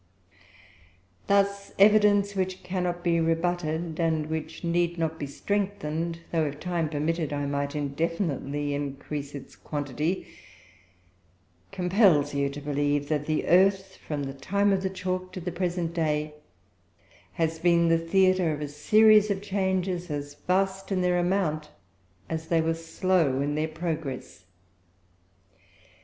Thus, evidence which cannot be rebutted, and which need not be strengthened, though if time permitted I might indefinitely increase its quantity, compels you to believe that the earth, from the time of the chalk to the present day, has been the theatre of a series of changes as vast in their amount, as they were slow in their progress.